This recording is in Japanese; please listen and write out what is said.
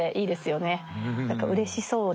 何かうれしそうで。